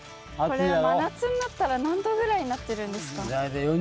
これは真夏になったら何℃ぐらいになってるんですか？